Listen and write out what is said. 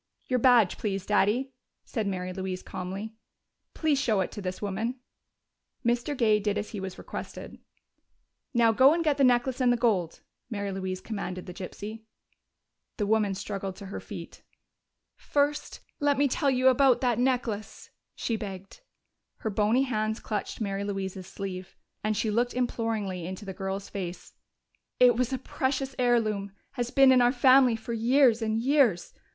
"Your badge, please, Daddy," said Mary Louise calmly. "Please show it to this woman." Mr. Gay did as he was requested. "Now go and get the necklace and the gold," Mary Louise commanded the gypsy. The woman struggled to her feet. "First let me tell you about that necklace!" she begged. Her bony hands clutched Mary Louise's sleeve, and she looked imploringly into the girl's face. "It was a precious heirloom has been in our family for years and years.